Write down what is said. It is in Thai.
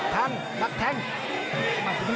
โหโหโหโหโห